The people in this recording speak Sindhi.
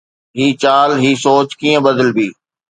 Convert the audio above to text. هي چال، هي سوچ ڪيئن بدلبي؟